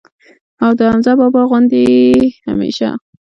او د حمزه بابا غوندي ئې هميشه